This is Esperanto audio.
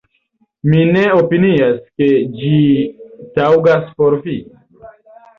Mi ne opinias, ke ĝi taŭgas por vi"".